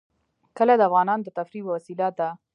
کلي د افغانانو د تفریح یوه وسیله ده.